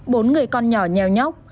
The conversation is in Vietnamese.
bốn người con nhỏ nheo nhóc